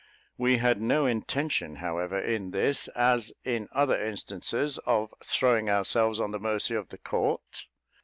We had no intention, however, in this, as in other instances, of "throwing ourselves on the mercy of the court."